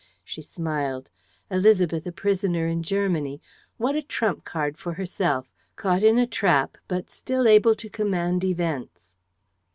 She smiled. Élisabeth a prisoner in Germany: what a trump card for herself, caught in a trap but still able to command events!